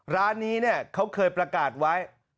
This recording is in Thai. ร้านนี้เค้าเคยประกาศไว้